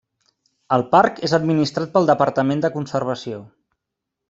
El parc és administrat pel Departament de Conservació.